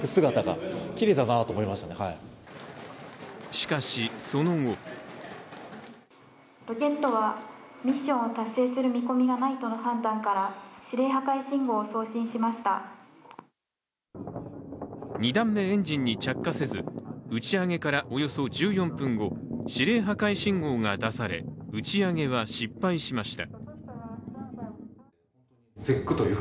しかし、その後２段目エンジンに着火せず打ち上げからおよそ１４分後指令破壊信号が出され、打ち上げは失敗しました。